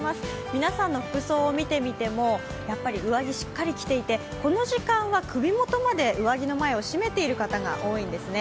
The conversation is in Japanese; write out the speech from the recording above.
皆さんの服装を見てみても、やっぱり上着をしっかり着ていてこの時間は首元まで上着の前を閉めてる方が多いんですね。